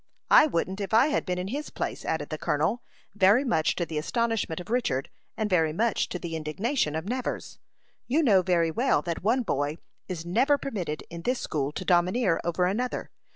"I wouldn't, if I had been in his place," added the colonel, very much to the astonishment of Richard, and very much to the indignation of Nevers. "You know very well that one boy is never permitted in this school to domineer over another.